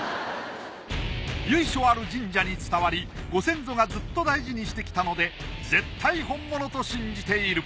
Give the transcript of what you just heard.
由緒ある神社に伝わりご先祖がずっと大事にしてきたので絶対本物と信じている。